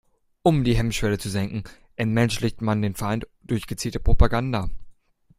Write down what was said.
Um die Hemmschwelle zu senken, entmenschlicht man den Feind durch gezielte Propaganda.